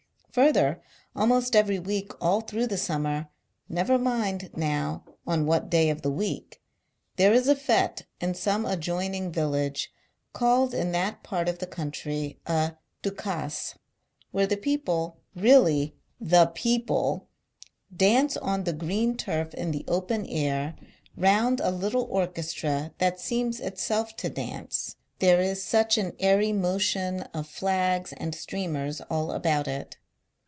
Further, almost every week all through the summer — never mind, now, on •what day of the week — there is a fete in some adjoining village (called in thai part of the country a Ducasse), where the people — really the people— dance on the green turf in the open air, round a little orchestra, that seems itself to dance, there is such an airy motion of flags and streamers all about it.